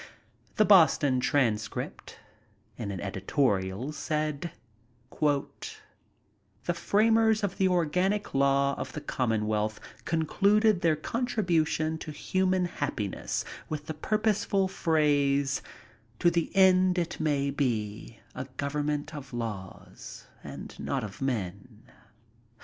The Boston Transcript, in an editorial, said: "The framers of the organic law of the Common wealth concluded their contribution to human happi ness with the purposeful phrase: 'To the end it may be a government of laws and not of men.